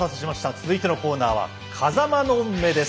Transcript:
続いてのコーナーは「風間の目」です。